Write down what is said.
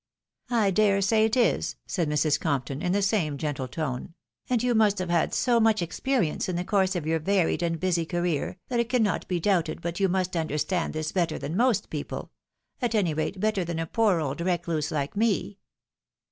" I dare say it is," said Mrs. Compton, in the same gentle tone ;" and you must have had so much experience in the course of your varied and busy career, that it cannot be doubted but you must understand this better than most people — at any rate, better than a poor old recluse hke me."